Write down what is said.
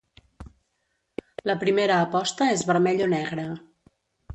La primera aposta és vermell o negre.